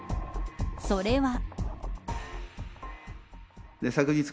それは。